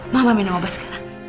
mama minum obat sekarang